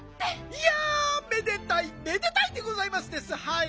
いやめでたいめでたいでございますですはい。